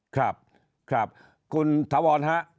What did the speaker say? ครับครับคุณถาวรฮะ